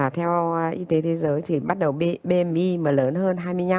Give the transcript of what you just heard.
theo y tế thế giới thì bắt đầu bmi mà lớn hơn hai mươi năm